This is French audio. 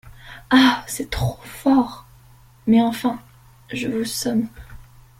Ah ! c’est trop fort ! mais enfin, je vous somme…